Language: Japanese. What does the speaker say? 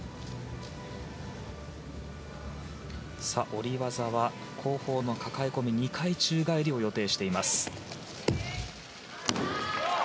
下り技は後方のかかえ込み２回宙返りを予定しています。